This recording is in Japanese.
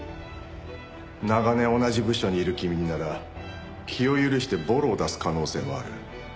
長年同じ部署にいる君になら気を許してボロを出す可能性もある。